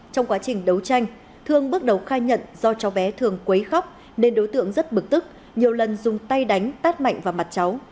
trong quá trình đấu tranh thương bước đầu khai nhận do cháu bé thường quấy khóc nên đối tượng rất bực tức nhiều lần dùng tay đánh tát mạnh vào mặt cháu